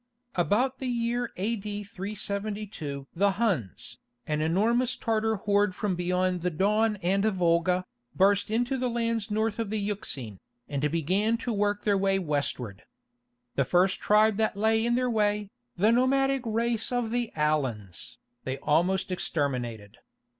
About the year A.D. 372 the Huns, an enormous Tartar horde from beyond the Don and Volga, burst into the lands north of the Euxine, and began to work their way westward. The first tribe that lay in their way, the nomadic race of the Alans, they almost exterminated.